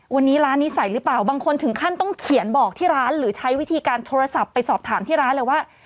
วันนี้ร้านนี้ใส่หรือเปล่าบางคนถึงขั้นต้องเขียนบอกที่ร้านหรือใช้วิธีการโทรศัพท์ไปสอบถามที่ร้านเลยว่า